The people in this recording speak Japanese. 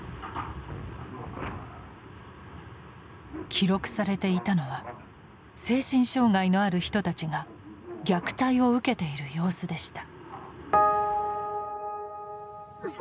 記録されていたのは精神障害のある人たちが虐待を受けている様子でした。